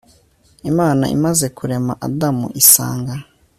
imana imaze kurema adamu isanga